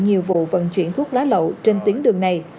nhiều vụ vận chuyển thuốc lá lậu trên tuyến đường này